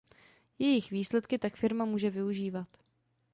Jejich výsledky tak firma může využívat.